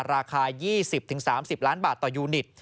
ราคา๒๐๓๐ล้านบาทต่อยูนิต